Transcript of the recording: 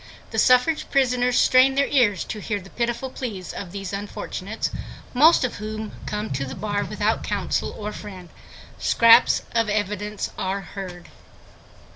The suffrage prisoners strain their ears to hear the pitiful pleas of these unfortunates, most of whom come to the bar without counsel or friend. Scraps of evidence are heard.